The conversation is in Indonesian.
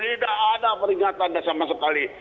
tidak ada peringatan sama sekali